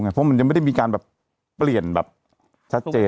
เพราะมันยังไม่ได้มีการแบบเปลี่ยนแบบชัดเจน